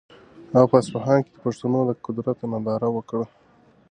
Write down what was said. هغه په اصفهان کې د پښتنو د قدرت ننداره وکړه.